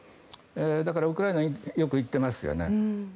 だから、ウクライナによく行っていますよね。